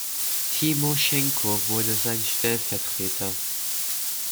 Timoschenko wurde sein Stellvertreter.